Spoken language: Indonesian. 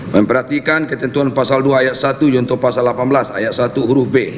memperhatikan ketentuan pasal dua ayat satu contoh pasal delapan belas ayat satu huruf b